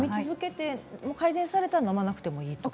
改善されたらのまなくていいんですか。